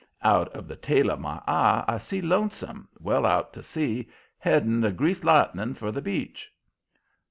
Out of the tail of my eye I see Lonesome, well out to sea, heading the Greased Lightning for the beach.